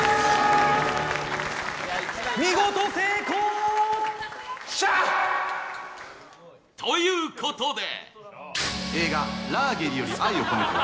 見事成功！ということで映画「ラーゲリより愛を込めて」